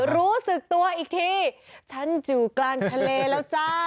รู้สึกตัวอีกทีฉันอยู่กลางทะเลแล้วจ้า